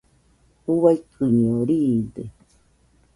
Uaikɨño riide.